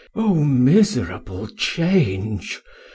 Man: O miserable change!